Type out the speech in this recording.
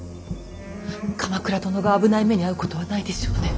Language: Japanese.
鎌倉殿が危ない目に遭うことはないでしょうね。